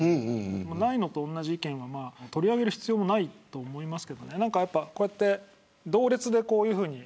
ないのと同じ意見を取り上げる必要もないと思います。